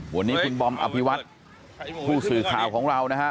วันนี้คุณบอมอภิวัตผู้สื่อข่าวของเรานะฮะ